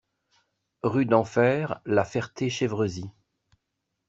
Rue d'Enfer, La Ferté-Chevresis